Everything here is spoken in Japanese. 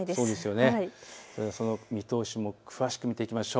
見通しを詳しく見ていきましょう。